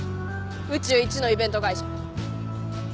宇宙一のイベント会社。